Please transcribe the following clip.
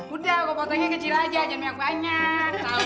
udah kau potongnya kecil aja jangan banyak banyak tau